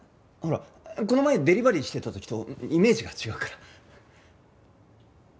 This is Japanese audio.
ほらこの前デリバリーしてた時とイメージが違うから。